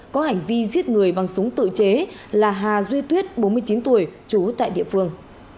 có hành vi giết người bằng súng tự chế là hà duy tuyết bốn mươi chín tuổi trú tại địa phương